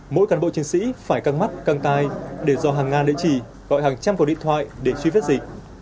mỗi cán bộ chiến sĩ phải căng mắt căng tay để do hàng ngàn địa chỉ gọi hàng trăm cuộc điện thoại để truy vết dịch